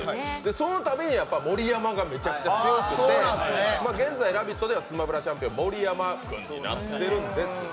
そのたびに盛山がめちゃくちゃ強くて、現在、「ラヴィット！」ではスマブラチャンピオンは盛山になってるんです。